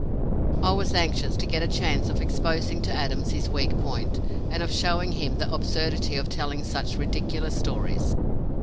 I was anxious to get a chance of exposing to Adams his weak point, and of showing him the absurdity of telling such ridiculous stories.